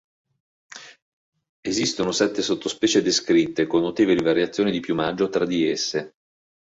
Esistono sette sottospecie descritte, con notevoli variazioni di piumaggio tra di esse.